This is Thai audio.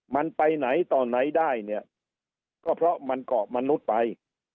มันไปไหนต่อไหนได้เนี่ยก็เพราะมันเกาะมนุษย์ไป